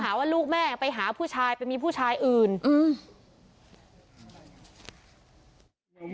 ว่าลูกแม่ไปหาผู้ชายไปมีผู้ชายอื่นอืม